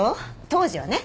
当時はね。